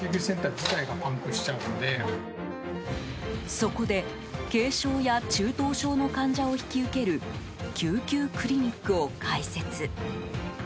そこで、軽症や中等症の患者を引き受ける救急クリニックを開設。